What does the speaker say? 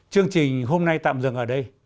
chương trình hôm nay tạm dừng ở đây